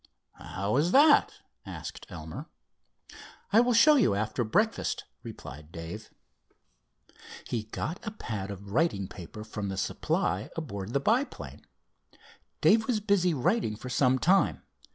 "How is that?" asked Elmer. "I will show you after breakfast," replied Dave. He got a pad of writing paper from the supply aboard the biplane. Dave was busy writing for some time.